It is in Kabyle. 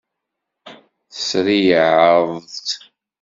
Tesreyyiεeḍ-tt.